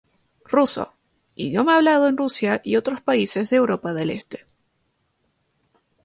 Ruso - idioma hablado en Rusia y otros países de Europa del Este.